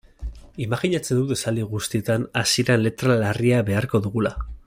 Imajinatzen dut esaldi guztietan hasieran letra larria beharko dugula.